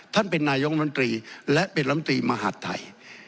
ท่านเป็นนายกรัฐมนตรีและเป็นรัฐมนตรีมหาธัย